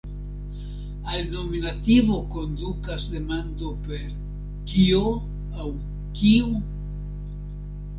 Al nominativo kondukas demando per "kio" aŭ "kiu".